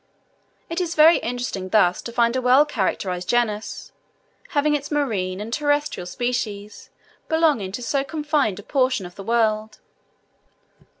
It is very interesting thus to find a well characterized genus, having its marine and terrestrial species, belonging to so confined a portion of the world.